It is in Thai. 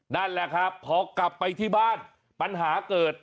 นั่นแหละครับพอกลับไปที่บ้านปัญหาเกิด